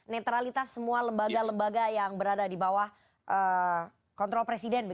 netralitas semua lembaga lembaga yang berada di bawah kontrol presiden